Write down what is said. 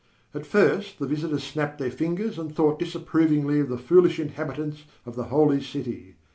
At first the visitors snapped their fingers and thought disapprovingly of the foolish inhabitants of the Holy City.